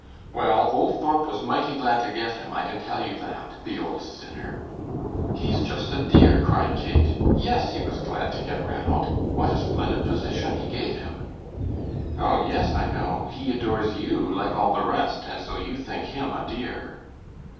"Well, old Thorp was mighty glad to get him; I can tell you that. The old sinner!" "He's just a dear!" cried Kate. "Yes, he was glad to get Ranald. What a splendid position he gave him." "Oh, yes, I know, he adores you like all the rest, and so you think him a dear."